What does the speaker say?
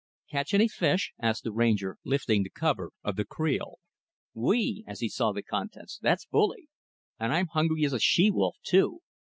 "Catch any fish?" asked the Ranger lifting the cover of the creel. "Whee!" as he saw the contents. "That's bully! And I'm hungry as a she wolf too!